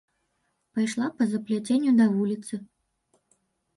Пайшла па-за пляценню да вуліцы.